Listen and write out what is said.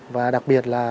và đặc biệt là